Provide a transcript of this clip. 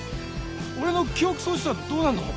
俺の記憶喪失はどうなるの！？